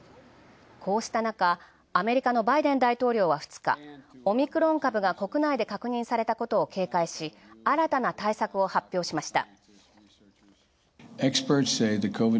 こうしたなか、アメリカのバイデンは２日、オミクロン株が国内で確認されたことを警戒し、新たな対策を発表しました。